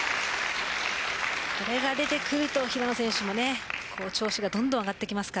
これが出てくると平野選手も調子がどんどん上がってきます。